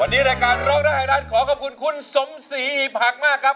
วันนี้รายการเลิกและหายดันขอขอบคุณคุณสมศรีผากมากครับ